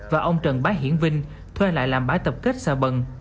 và ông trần bá hiển vinh thuê lại làm bãi tập kết sạc bẩn